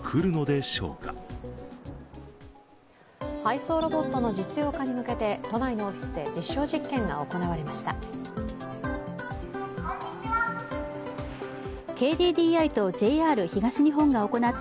配送ロボットの実用化に向けて都内のオフィスで実証実験が行われました。